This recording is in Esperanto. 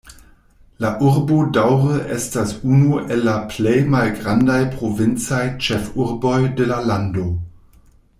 La urbo daŭre estas unu el la plej malgrandaj provincaj ĉefurboj de la lando.